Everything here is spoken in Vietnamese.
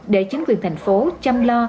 để chính quyền thành phố chăm lo